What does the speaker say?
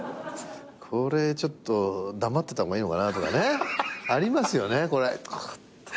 これちょっと黙ってた方がいいのかなとかね。ありますよねこれ。